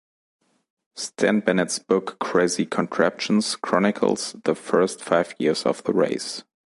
Stan Bennett's book "Crazy Contraptions" chronicles the first five years of the race.